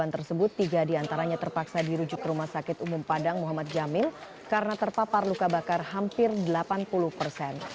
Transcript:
tersebut tiga diantaranya terpaksa dirujuk ke rumah sakit umum padang muhammad jamil karena terpapar luka bakar hampir delapan puluh persen